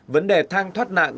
vấn đề thang thoát nạn